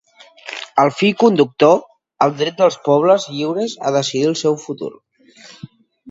El fil conductor, el dret dels pobles lliures a decidir el seu futur.